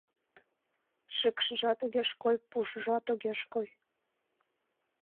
Шикшыжат огеш кой, пушыжат огеш кой